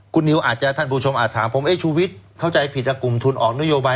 คุณนิวอาจจะท่านผู้ชมอาจถามผมชูวิทย์เข้าใจผิดกลุ่มทุนออกนโยบาย